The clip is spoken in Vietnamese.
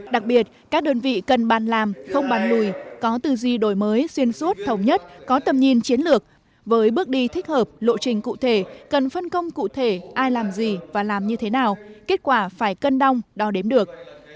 đặc biệt các đơn vị cần bàn làm không bàn lùi có tư duy đổi mới xuyên suốt thống nhất có tầm nhìn chiến lược với bước đi thích hợp lộ trình cụ thể cần phân công cụ thể ai làm gì và làm như thế nào kết quả phải cân đong đo đếm được